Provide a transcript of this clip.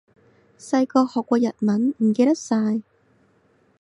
細個學過日文，唔記得晒